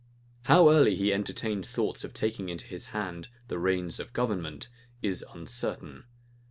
How early he entertained thoughts of taking into his hand the reins of government, is uncertain.